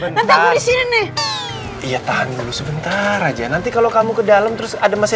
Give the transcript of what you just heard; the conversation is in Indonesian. banget sih mas sebentar ya tahan dulu sebentar aja nanti kalau kamu ke dalam terus ada masih